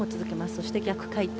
そして逆回転。